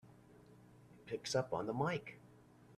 It picks up on the mike!